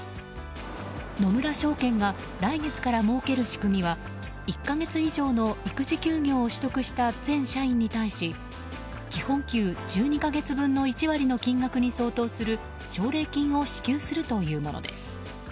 野村証券が来月から設ける仕組みは１か月以上の育児休業を取得した全社員に対し基本給１２か月分の１割の金額に相当する奨励金を支給するというものです。